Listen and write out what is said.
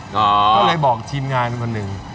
ก็เลยบอกทีมงานคนหนึ่ง